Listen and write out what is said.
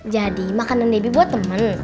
jadi makanan debbie buat temen